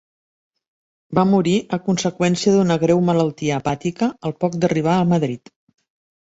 Va morir a conseqüència d'una greu malaltia hepàtica al poc d'arribar a Madrid.